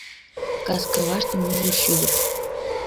Кас каваште мужыр шӱдыр